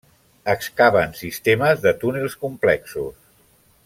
Excaven sistemes de túnels complexos.